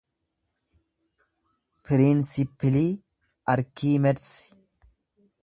piriinsippilii arkiimedsi